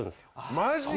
マジ？